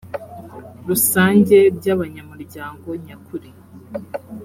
rusange bya abanyamuryango nyakuri